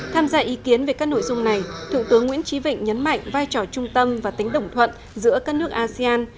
tham gia ý kiến về các nội dung này thượng tướng nguyễn trí vịnh nhấn mạnh vai trò trung tâm và tính đồng thuận giữa các nước asean